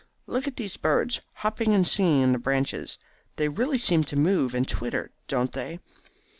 Look at those birds hopping and singing in the branches. They really seem to move and twitter, don't they?"